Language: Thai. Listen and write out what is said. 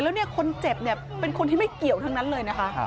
แล้วคนเจ็บเป็นคนที่ไม่เกี่ยวทั้งนั้นเลยนะคะ